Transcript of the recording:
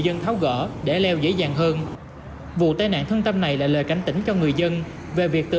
dân tháo gỡ để leo dễ dàng hơn vụ tai nạn thương tâm này là lời cảnh tỉnh cho người dân về việc